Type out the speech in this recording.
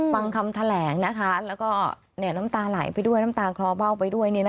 ฟังคำแถลงนะคะแล้วก็เนี่ยน้ำตาหลายไปด้วย